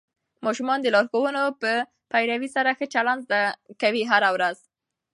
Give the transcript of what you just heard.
ماشومان د لارښوونو په پیروي سره ښه چلند زده کوي هره ورځ.